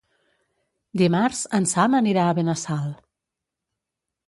Dimarts en Sam anirà a Benassal.